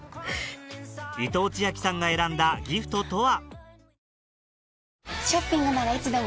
伊藤千晃さんが選んだギフトとは？